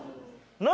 何？